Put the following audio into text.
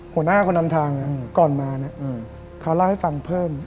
หัวหน้าคนนำทางก่อนมาเขาเล่าให้ฟังเพิ่ม